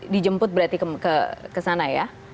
dijemput berarti ke sana ya